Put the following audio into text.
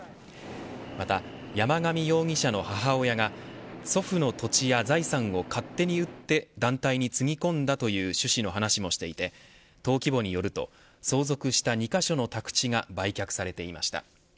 また、山上容疑者の母親が祖父の土地や財産を勝手に売って団体につぎ込んだという趣旨の話もしていて登記簿によると相続した２カ所の宅地が売却されていました。